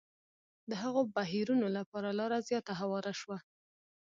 د هغو بهیرونو لپاره لاره زیاته هواره شوه.